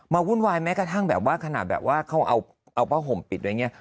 วุ่นวายแม้กระทั่งแบบว่าขนาดแบบว่าเขาเอาผ้าห่มปิดไว้อย่างนี้